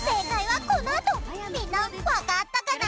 みんなわかったかな？